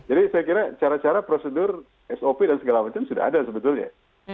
jadi saya kira cara cara prosedur sop dan segala macam sudah ada sebetulnya